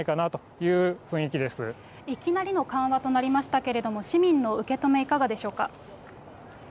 いきなりの緩和となりましたけれども、市民の受け止め、いかがでしょうか。